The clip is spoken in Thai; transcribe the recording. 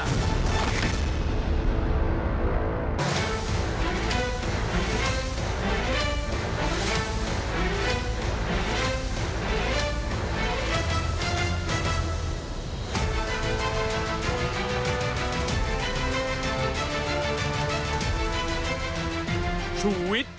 สวัสดีค่ะคุณผู้ชมชุวิตตีแสดหน้า